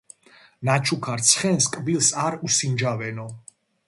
ნაჩუქარ ცხენს კბილს არ უსინჯავენო